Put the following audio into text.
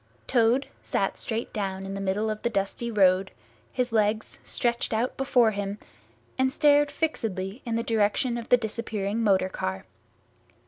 Toad sat straight down in the middle of the dusty road, his legs stretched out before him, and stared fixedly in the direction of the disappearing motor car.